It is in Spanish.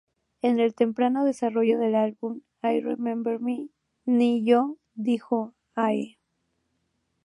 En el temprano desarrollo del álbum "I Remember Me", Ne-Yo dijo a E!